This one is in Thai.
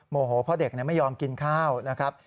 โมโหเพราะเด็กไม่ยอมกินข้าวนะครับ